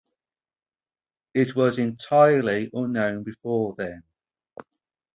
It was entirely unknown before then.